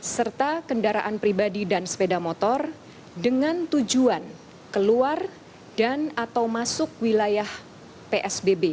serta kendaraan pribadi dan sepeda motor dengan tujuan keluar dan atau masuk wilayah psbb